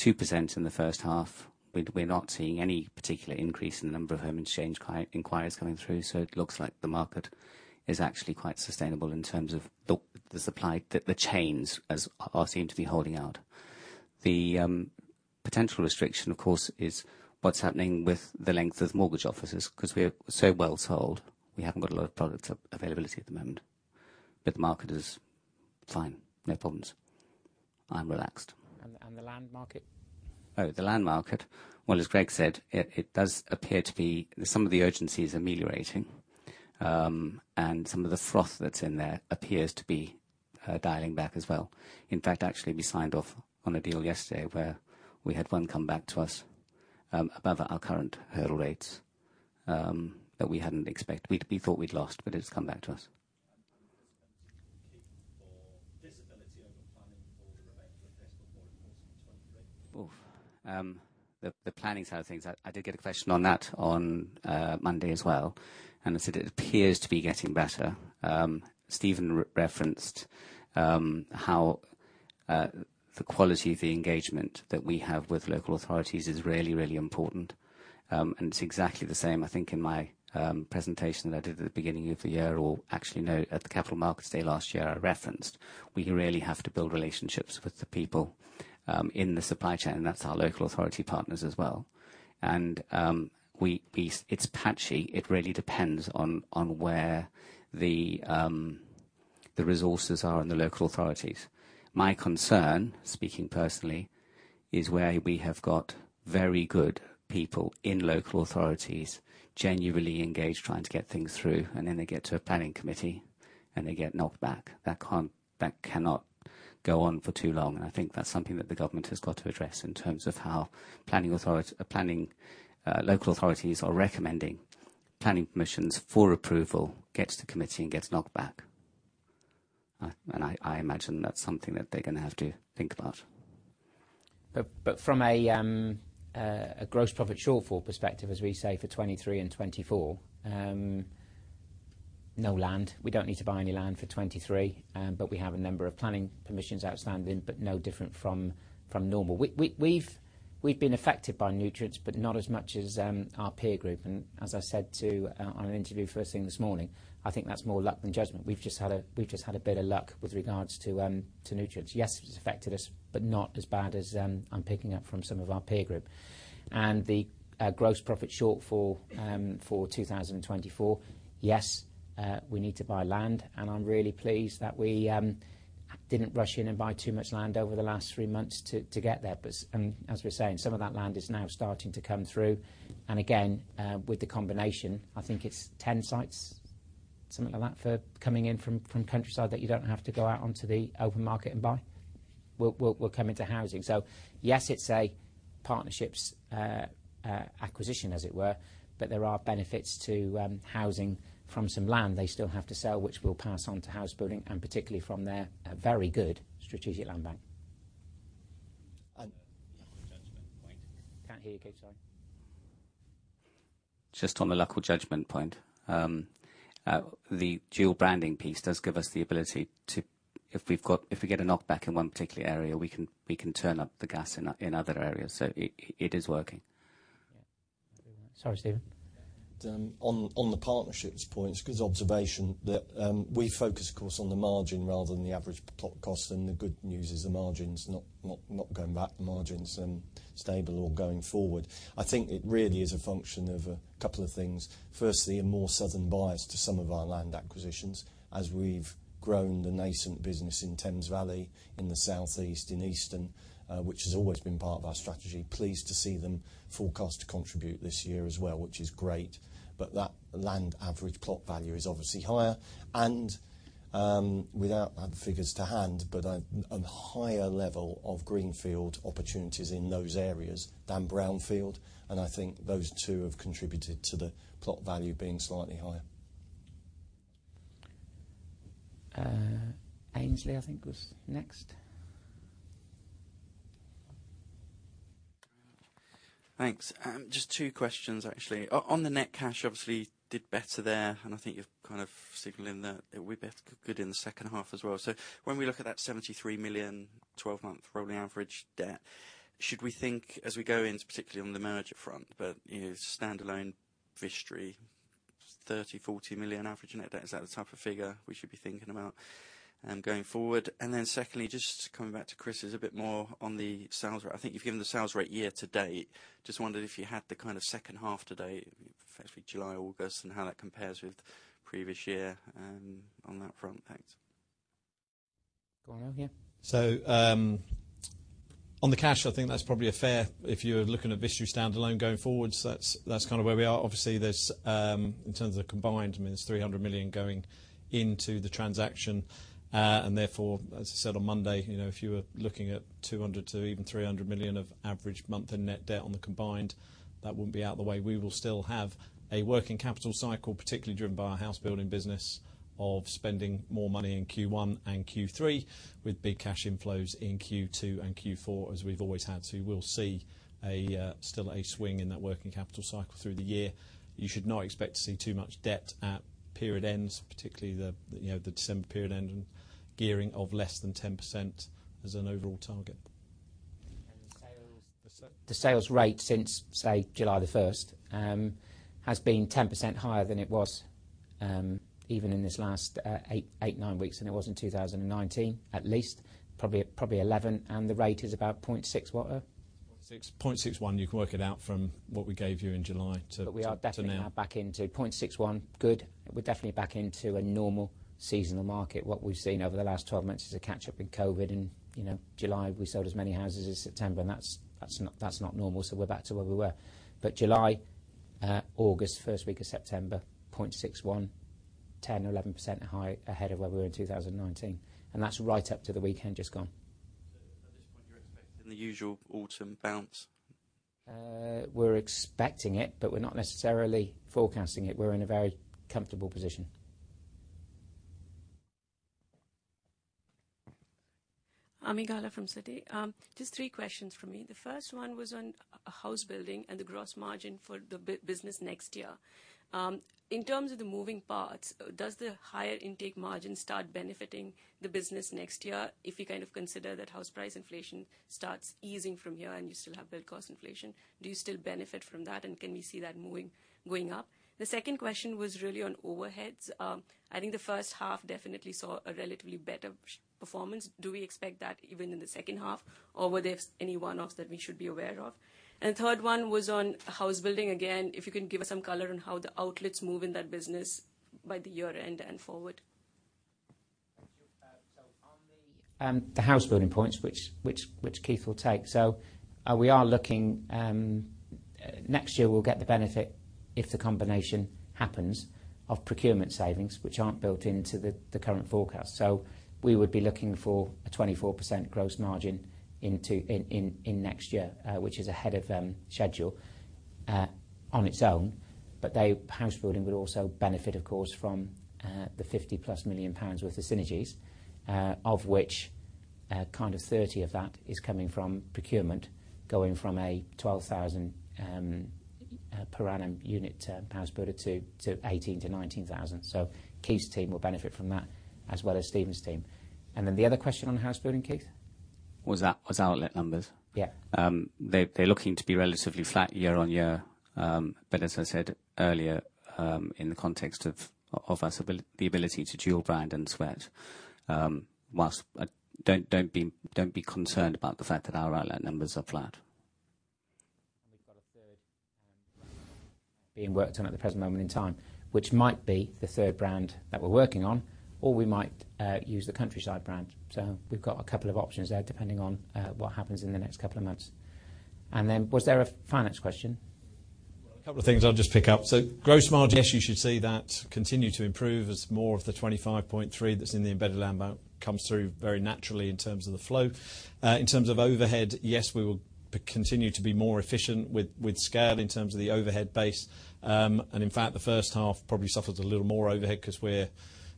2% in the first half. We're not seeing any particular increase in the number of home exchange inquiries coming through, so it looks like the market is actually quite sustainable in terms of the supply. The chains seem to be holding out. The potential restriction, of course, is what's happening with the length of mortgage offers, 'cause we're so well sold, we haven't got a lot of product availability at the moment. The market is fine. No problems. I'm relaxed. The land market? Oh, the land market. Well, as Greg said, it does appear to be some of the urgency is ameliorating. Some of the froth that's in there appears to be dialing back as well. In fact, actually, we signed off on a deal yesterday where we had one come back to us above our current hurdle rates that we hadn't expected. We thought we'd lost, but it's come back to us. What are the plans for delivery over planning for the remainder of this before, of course, in 2023? The planning side of things, I did get a question on that on Monday as well. I said it appears to be getting better. Stephen referenced how the quality of the engagement that we have with local authorities is really important. It's exactly the same, I think, in my presentation that I did at the beginning of the year, or actually, no, at the Capital Markets Day last year, I referenced we really have to build relationships with the people in the supply chain, and that's our local authority partners as well. It's patchy. It really depends on where the resources are in the local authorities. My concern, speaking personally, is where we have got very good people in local authorities genuinely engaged, trying to get things through, and then they get to a planning committee, and they get knocked back. That cannot go on for too long. I think that's something that the government has got to address in terms of how planning local authorities are recommending planning permissions for approval, gets to committee, and gets knocked back. I imagine that's something that they're gonna have to think about. From a gross profit shortfall perspective, as we say, for 2023 and 2024, no land. We don't need to buy any land for 2023. We have a number of planning permissions outstanding, but no different from normal. We've been affected by nutrients, but not as much as our peer group. As I said in an interview first thing this morning, I think that's more luck than judgment. We've just had a bit of luck with regards to nutrients. Yes, it's affected us, but not as bad as I'm picking up from some of our peer group. The gross profit shortfall for 2024, yes, we need to buy land. I'm really pleased that we didn't rush in and buy too much land over the last three months to get there. As we're saying, some of that land is now starting to come through. Again, with the combination, I think it's 10 sites, something like that, coming in from Countryside that you don't have to go out onto the open market and buy. We will come into housing. Yes, it's a Partnerships acquisition, as it were, but there are benefits to housing from some land they still have to sell, which we'll pass on to housebuilding and particularly from their very good strategic land bank. And- Judgment point. Can't hear you, Keith. Sorry. Just on the local judgment point, the dual branding piece does give us the ability to, if we get a knockback in one particular area, we can turn up the gas in other areas. It is working. Yeah. Sorry, Stephen. On the partnerships points, Chris's observation that we focus, of course, on the margin rather than the average plot cost. The good news is the margin's not going back. The margin's stable or going forward. I think it really is a function of a couple of things. Firstly, a more southern bias to some of our land acquisitions, as we've grown the nascent business in Thames Valley, in the South East, in Eastern, which has always been part of our strategy. Pleased to see them forecast to contribute this year as well, which is great. That land average plot value is obviously higher. Without the figures to hand, but a higher level of greenfield opportunities in those areas than brownfield. I think those two have contributed to the plot value being slightly higher. Aynsley, I think was next. Thanks. Just two questions actually. On the net cash, obviously did better there, and I think you're kind of signaling that it'll be good in the second half as well. When we look at that 73 million 12-month rolling average debt, should we think as we go in, particularly on the merger front, but, you know, standalone Vistry, 30 million-40 million average net debt? Is that the type of figure we should be thinking about, going forward? Then secondly, just coming back to Chris' a bit more on the sales. I think you've given the sales rate year to date. Just wondered if you had the kind of second half to date, effectively July, August, and how that compares with previous year, on that front. Thanks. Going now, yeah. On the cash, I think that's probably a fair if you're looking at Vistry standalone going forward. That's kind of where we are. Obviously there's in terms of the combined. I mean, there's 300 million going into the transaction, and therefore, as I said on Monday, you know, if you were looking at 200 million to even 300 million of average monthly net debt on the combined, that wouldn't be out of the way. We will still have a working capital cycle, particularly driven by our house building business of spending more money in Q1 and Q3, with big cash inflows in Q2 and Q4, as we've always had. You will see still a swing in that working capital cycle through the year. You should not expect to see too much debt at period ends, particularly, you know, the December period end and gearing of less than 10% as an overall target. The sales rate since, say, July 1st, has been 10% higher than it was even in this last eight-nine weeks than it was in 2019, at least, probably 11, and the rate is about 0.6 what? 6.61. You can work it out from what we gave you in July to now. We are definitely now back into 0.61. Good. We're definitely back into a normal seasonal market. What we've seen over the last 12 months is a catch-up in COVID. You know, July, we sold as many houses as September, and that's not normal, so we're back to where we were. July, August, first week of September, 0.61, 10% or 11% higher ahead of where we were in 2019. That's right up to the weekend just gone. At this point, you're expecting the usual autumn bounce? We're expecting it, but we're not necessarily forecasting it. We're in a very comfortable position. Ami Galla from Citi. Just three questions from me. The first one was on house building and the gross margin for the business next year. In terms of the moving parts, does the higher intake margin start benefiting the business next year, if you kind of consider that house price inflation starts easing from here and you still have build cost inflation? Do you still benefit from that, and can we see that moving, going up? The second question was really on overheads. I think the first half definitely saw a relatively better performance. Do we expect that even in the second half, or were there any one-offs that we should be aware of? Third one was on house building again. If you can give us some color on how the outlets move in that business by the year-end and forward. Thank you. On the house building points, which Keith will take. We are looking next year, we'll get the benefit, if the combination happens, of procurement savings, which aren't built into the current forecast. We would be looking for a 24% gross margin in next year, which is ahead of schedule on its own. The house building would also benefit, of course, from the 50+ million pounds worth of synergies, of which, kind of 30 of that is coming from procurement, going from a 12,000 per annum unit house builder to 18,000-19,000. Keith's team will benefit from that as well as Stephen's team. The other question on house building, Keith? Outlet numbers. Yeah. They're looking to be relatively flat year-over-year. As I said earlier, in the context of usability, the ability to dual brand and sweat. Don't be concerned about the fact that our outlet numbers are flat. We've got a third being worked on at the present moment in time, which might be the third brand that we're working on, or we might use the Countryside brand. We've got a couple of options there, depending on what happens in the next couple of months. Then was there a finance question? A couple of things I'll just pick up. Gross margin, yes, you should see that continue to improve as more of the 25.3% that's in the embedded land bank comes through very naturally in terms of the flow. In terms of overhead, yes, we will continue to be more efficient with scale in terms of the overhead base. In fact, the first half probably suffers a little more overhead 'cause we're,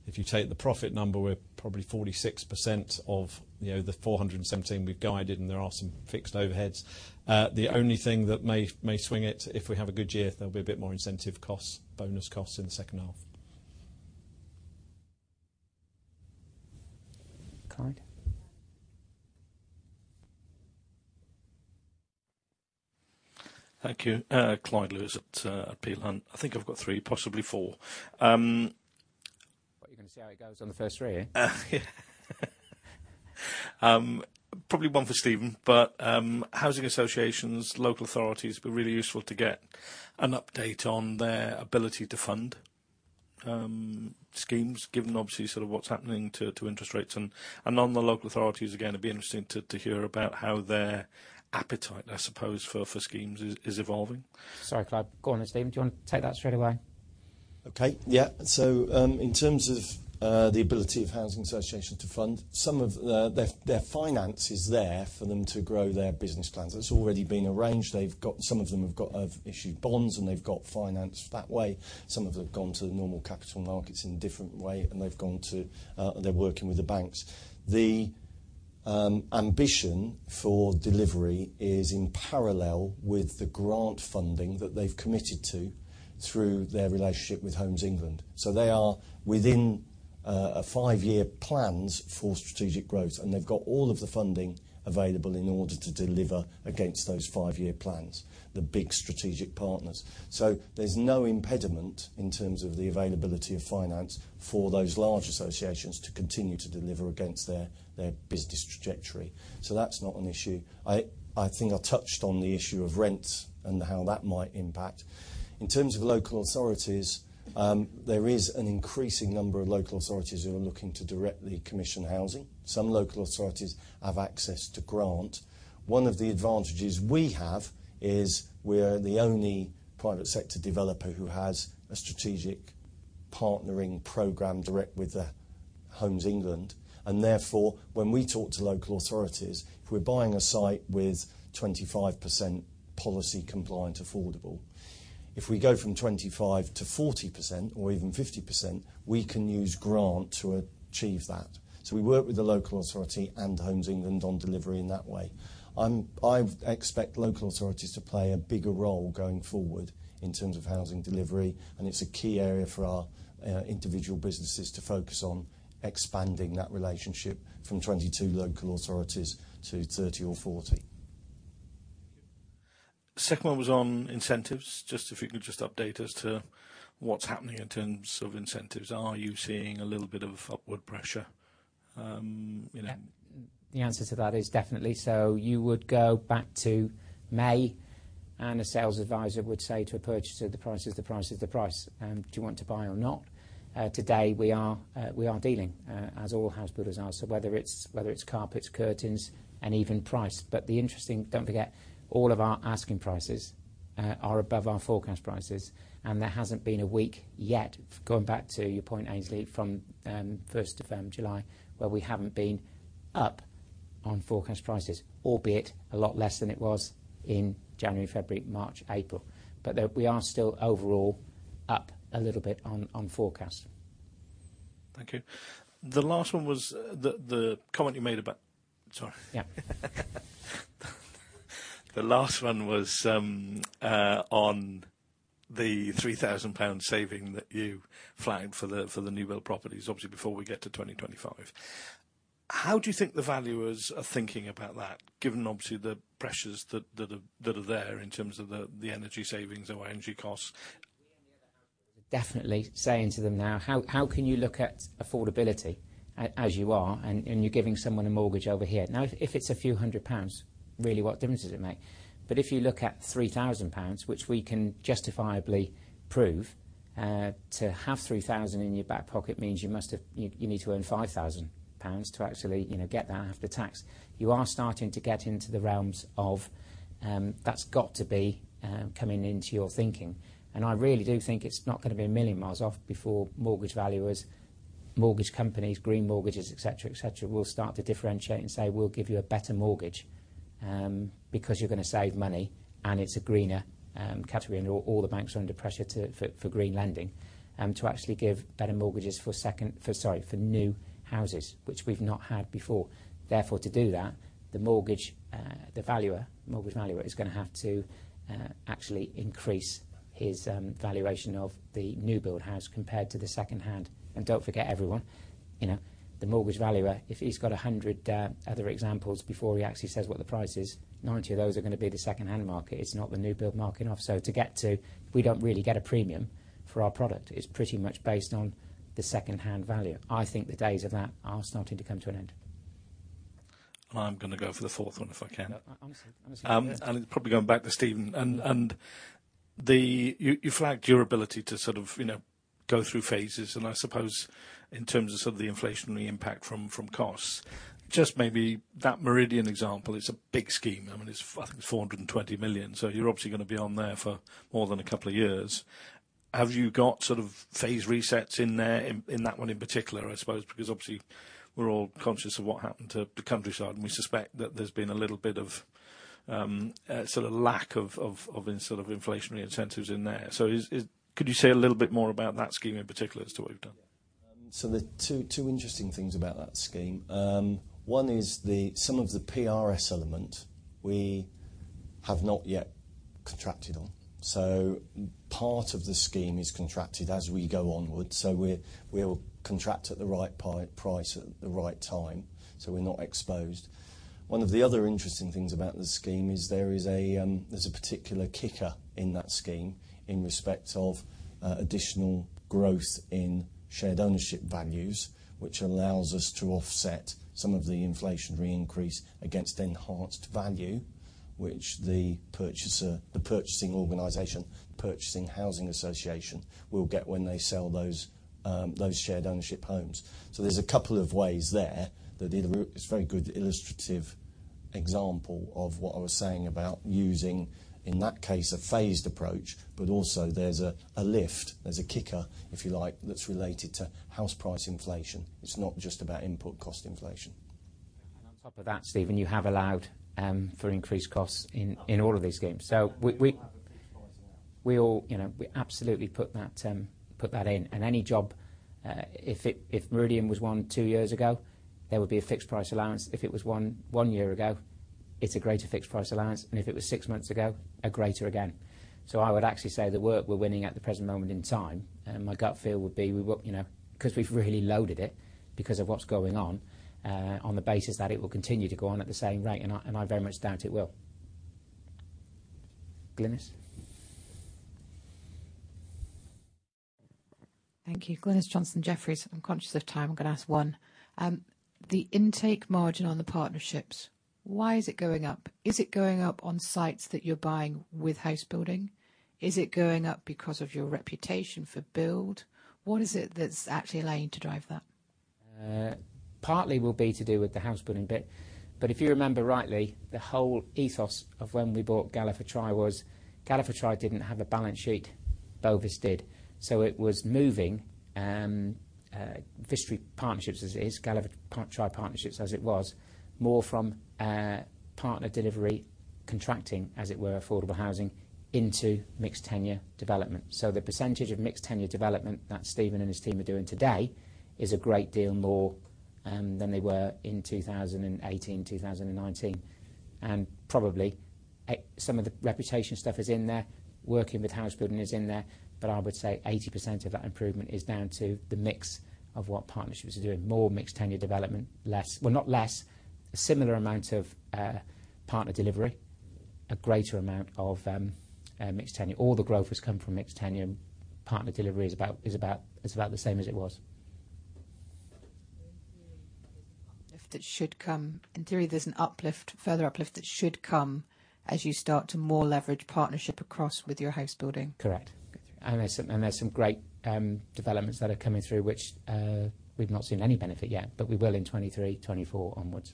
if you take the profit number, we're probably 46% of, you know, the 417 we've guided, and there are some fixed overheads. The only thing that may swing it, if we have a good year, there'll be a bit more incentive costs, bonus costs in the second half. Clyde? Thank you. Clyde Lewis at Peel Hunt. I think I've got three, possibly four, What, you're gonna see how it goes on the first three, eh? Probably one for Steven. Housing associations, local authorities, it'd be really useful to get an update on their ability to fund schemes given obviously sort of what's happening to interest rates. On the local authorities, again, it'd be interesting to hear about how their appetite, I suppose, for schemes is evolving. Sorry, Clyde. Go on then, Stephen. Do you want to take that straightaway? Okay. Yeah. In terms of the ability of housing associations to fund, some of their finance is there for them to grow their business plans. It's already been arranged. They've got, some of them have issued bonds, and they've got finance that way. Some of them have gone to the normal capital markets in a different way, and they've gone to, they're working with the banks. The ambition for delivery is in parallel with the grant funding that they've committed to through their relationship with Homes England. They are within a five-year plans for strategic growth, and they've got all of the funding available in order to deliver against those five-year plans, the big strategic partners. There's no impediment in terms of the availability of finance for those large associations to continue to deliver against their business trajectory. That's not an issue. I think I touched on the issue of rents and how that might impact. In terms of local authorities, there is an increasing number of local authorities who are looking to directly commission housing. Some local authorities have access to grant. One of the advantages we have is we're the only private sector developer who has a strategic partnering program direct with Homes England. Therefore, when we talk to local authorities, if we're buying a site with 25% policy compliant affordable If we go from 25%-40% or even 50%, we can use grant to achieve that. We work with the local authority and Homes England on delivery in that way. I expect local authorities to play a bigger role going forward in terms of housing delivery, and it's a key area for our individual businesses to focus on expanding that relationship from 22 local authorities to 30 or 40. Second one was on incentives. Just if you could just update us to what's happening in terms of incentives. Are you seeing a little bit of upward pressure, you know? The answer to that is definitely. You would go back to May and a sales advisor would say to a purchaser, "The price is the price. Do you want to buy or not?" Today, we are dealing, as all house builders are. Whether it's carpets, curtains, and even price. Don't forget, all of our asking prices are above our forecast prices, and there hasn't been a week yet, going back to your point, Aynsley, from first of July, where we haven't been up on forecast prices, albeit a lot less than it was in January, February, March, April. There, we are still overall up a little bit on forecast. Thank you. The last one was the comment you made about. Sorry. Yeah. The last one was on the 3,000 pound saving that you flagged for the new-build properties, obviously before we get to 2025. How do you think the valuers are thinking about that, given obviously the pressures that are there in terms of the energy savings or energy costs? Definitely saying to them now, how can you look at affordability as you are, and you're giving someone a mortgage over here? Now, if it's a few hundred GBP, really, what difference does it make? If you look at 3,000 pounds, which we can justifiably prove to have 3,000 in your back pocket means you must have. You need to earn 5,000 pounds to actually, you know, get that after tax. You are starting to get into the realms of, that's got to be coming into your thinking. I really do think it's not gonna be a million miles off before mortgage valuers, mortgage companies, green mortgages, et cetera, et cetera, will start to differentiate and say, "We'll give you a better mortgage, because you're gonna save money, and it's a greener category." All the banks are under pressure for green lending to actually give better mortgages for new houses, which we've not had before. Therefore, to do that, the mortgage valuer is gonna have to actually increase his valuation of the new build house compared to the second-hand. Don't forget, everyone, you know, the mortgage valuer, if he's got 100 other examples before he actually says what the price is, 90 of those are gonna be the second-hand market. It's not the new build market. Obviously, we don't really get a premium for our product. It's pretty much based on the second-hand value. I think the days of that are starting to come to an end. I'm gonna go for the fourth one, if I can. Honestly, yeah. It's probably going back to Stephen. You flagged your ability to sort of, you know, go through phases, and I suppose in terms of sort of the inflationary impact from costs. Just maybe that Meridian example is a big scheme. I mean, it's, I think it's 420 million. So you're obviously gonna be on there for more than a couple of years. Have you got sort of phase resets in there, in that one in particular, I suppose? Because obviously we're all conscious of what happened to Countryside, and we suspect that there's been a little bit of sort of lack of sort of inflationary incentives in there. Could you say a little bit more about that scheme in particular as to what we've done? There are two interesting things about that scheme. One is some of the PRS element we have not yet contracted on. Part of the scheme is contracted as we go onwards. We'll contract at the right price at the right time, so we're not exposed. One of the other interesting things about this scheme is there's a particular kicker in that scheme in respect of additional growth in shared ownership values, which allows us to offset some of the inflationary increase against enhanced value, which the purchaser, the purchasing organization, purchasing housing association will get when they sell those shared ownership homes. There's a couple of ways there that it is a very good illustrative example of what I was saying about using, in that case, a phased approach, but also there's a lift, there's a kicker, if you like, that's related to house price inflation. It's not just about input cost inflation. On top of that, Stephen, you have allowed for increased costs in all of these schemes. We We will have a fixed price allowance. We all, you know, we absolutely put that in. Any job, if Meridian was one or two years ago, there would be a fixed price allowance. If it was one year ago, it's a greater fixed price allowance. If it was six months ago, a greater again. I would actually say the work we're winning at the present moment in time, my gut feel would be we would, you know, because we've really loaded it because of what's going on the basis that it will continue to go on at the same rate, and I very much doubt it will. Glynis? Thank you. Glynis Johnson, Jefferies. I'm conscious of time. I'm gonna ask one. The intake margin on the partnerships, why is it going up? Is it going up on sites that you're buying with house building? Is it going up because of your reputation for build? What is it that's actually allowing you to drive that? Partly will be to do with the house building bit. If you remember rightly, the whole ethos of when we bought Galliford Try was Galliford Try didn't have a balance sheet. Bovis did. It was moving Vistry Partnerships as it is, Galliford Try Partnerships as it was, more from partner delivery contracting, as it were, affordable housing into mixed tenure development. The percentage of mixed tenure development that Stephen and his team are doing today is a great deal more than they were in 2018, 2019. Probably some of the reputation stuff is in there, working with housebuilding is in there, but I would say 80% of that improvement is down to the mix of what partnerships are doing. More mixed tenure development, less. Well, not less, a similar amount of partner delivery, a great amount of mixed tenure. All the growth has come from mixed tenure. Partner delivery is about the same as it was. In theory, there's an uplift that should come. In theory, there's an uplift, further uplift that should come as you start to more leverage partnership across with your housebuilding. Correct. Good. There's some great developments that are coming through which we've not seen any benefit yet, but we will in 2023, 2024 onwards.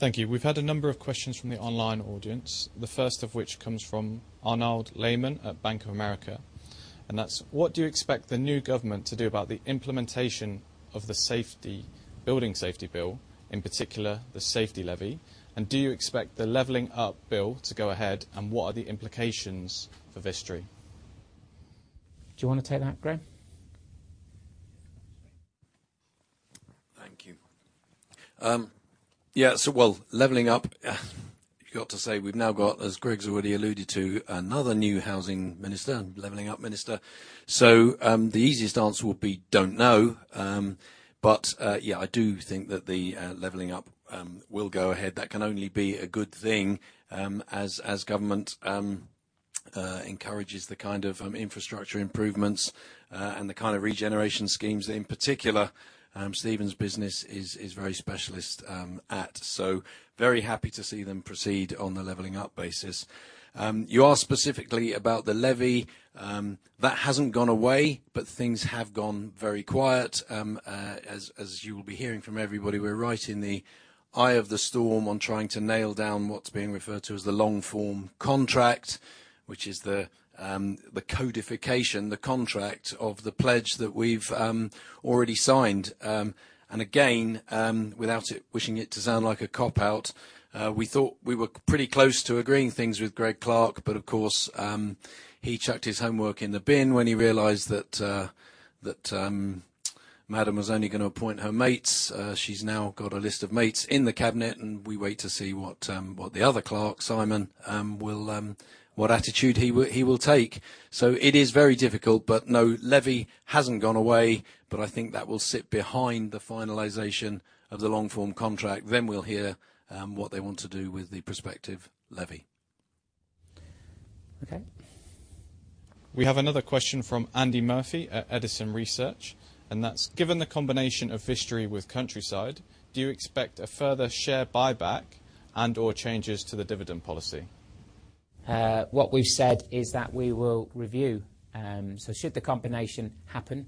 Great. There's a couple of questions online that Jack will ask. Okay. Thank you. We've had a number of questions from the online audience, the first of which comes from Arnold Layman at Bank of America, and that's: What do you expect the new government to do about the implementation of the Building Safety Act, in particular the safety levy, and do you expect the Levelling-up and Regeneration Bill to go ahead, and what are the implications for Vistry? Do you wanna take that, Graham? Thank you. Well, Levelling Up, you've got to say we've now got, as Greg's already alluded to, another new housing minister and Levelling Up minister. The easiest answer would be don't know. I do think that the Levelling Up will go ahead. That can only be a good thing, as government encourages the kind of infrastructure improvements and the kind of regeneration schemes in particular, Stephen's business is very specialist. Very happy to see them proceed on the Levelling Up basis. You asked specifically about the levy. That hasn't gone away, but things have gone very quiet. As you will be hearing from everybody, we're right in the eye of the storm on trying to nail down what's being referred to as the long form contract, which is the codification, the contract of the pledge that we've already signed. Again, without it wishing it to sound like a cop-out, we thought we were pretty close to agreeing things with Greg Clark, but of course, he chucked his homework in the bin when he realized that Madam was only gonna appoint her mates. She's now got a list of mates in the cabinet, and we wait to see what attitude the other Clark, Simon Clarke, will take. It is very difficult, but no, Levy hasn't gone away, but I think that will sit behind the finalization of the long form contract. We'll hear what they want to do with the prospective levy. Okay. We have another question from Andy Murphy at Edison Investment Research, and that's: Given the combination of Vistry with Countryside, do you expect a further share buyback and/or changes to the dividend policy? What we've said is that we will review, so should the combination happen,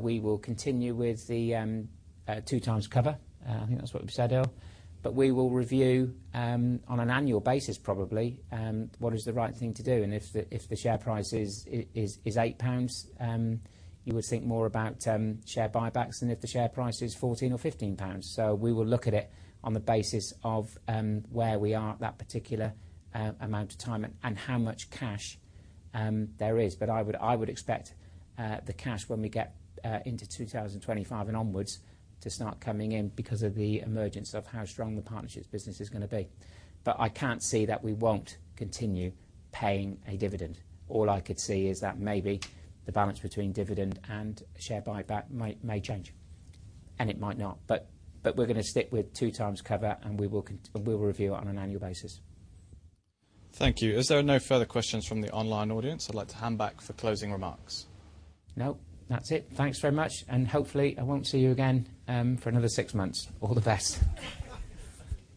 we will continue with the 2x cover. I think that's what we've said, Earl. We will review on an annual basis probably what is the right thing to do, and if the share price is 8 pounds, you would think more about share buybacks than if the share price is 14 or 15 pounds. We will look at it on the basis of where we are at that particular amount of time and how much cash there is. I would expect the cash when we get into 2025 and onwards to start coming in because of the emergence of how strong the partnerships business is gonna be. I can't see that we won't continue paying a dividend. All I could see is that maybe the balance between dividend and share buyback might, may change, and it might not. We're gonna stick with 2x cover, and we'll review on an annual basis. Thank you. As there are no further questions from the online audience, I'd like to hand back for closing remarks. No, that's it. Thanks very much, and hopefully I won't see you again, for another six months. All the best.